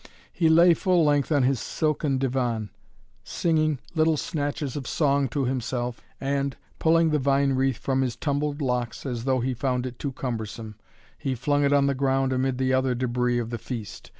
He lay full length on his silken divan, singing little snatches of song to himself and, pulling the vine wreath from his tumbled locks, as though he found it too cumbersome, he flung it on the ground amid the other debris of the feast.